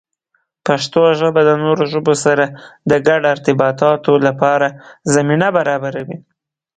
پښتو ژبه د نورو ژبو سره د ګډو ارتباطاتو لپاره زمینه برابروي.